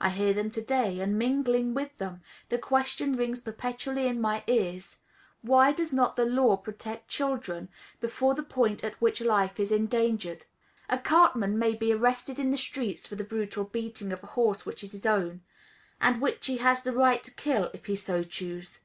I hear them to day; and mingling with them, the question rings perpetually in my ears, "Why does not the law protect children, before the point at which life is endangered?" A cartman may be arrested in the streets for the brutal beating of a horse which is his own, and which he has the right to kill if he so choose.